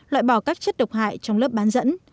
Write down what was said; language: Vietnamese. loại bỏ các chất độc hại trong lớp bán dẫn